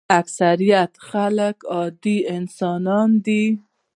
اکثریت خلک عادي انسانان دي.